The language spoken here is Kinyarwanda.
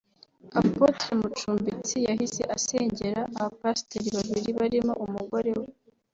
Apôtre Mucumbitsi yahise asengera abapasiteri babiri barimo umugore we